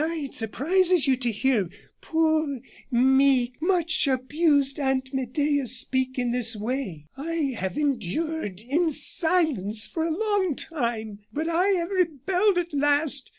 Ah! it surprises you to hear poor, meek, much abused Aunt Medea speak in this way. I have endured in silence for a long time, but I have rebelled at last.